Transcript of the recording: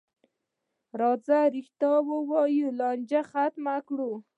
راځئ رښتیا ووایو، لانجه ختمه کړو.